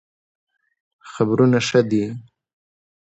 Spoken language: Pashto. خبرونه ښه دئ